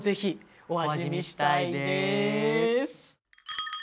お味見したいでーす。